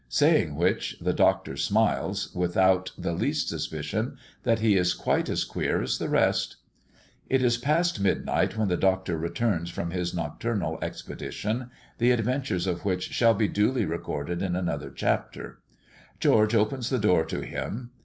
Saying which, the Doctor smiles, without the least suspicion that he is quite as queer as the rest. It is past midnight when the Doctor returns from his nocturnal expedition, the adventures of which shall be duly recorded in another chapter. George opens the door to him.